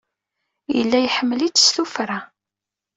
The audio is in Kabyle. Yella iḥemmel-it s tuffra.